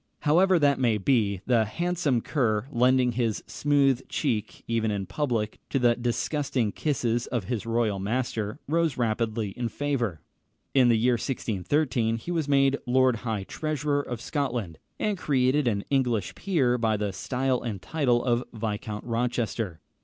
However that may be, the handsome Kerr, lending his smooth cheek even in public to the disgusting kisses of his royal master, rose rapidly in favour. In the year 1613, he was made Lord High Treasurer of Scotland, and created an English peer by the style and title of Viscount Rochester.